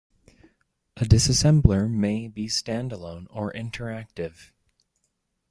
A disassembler may be stand-alone or interactive.